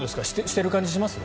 してる感じします？